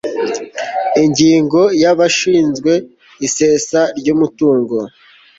ingingo ya abashinzwe isesa ry umuryango